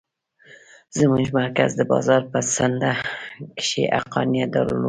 زموږ مرکز د بازار په څنډه کښې حقانيه دارالعلوم دى.